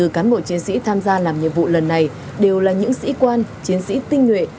một mươi cán bộ chiến sĩ tham gia làm nhiệm vụ lần này đều là những sĩ quan chiến sĩ tinh nguyện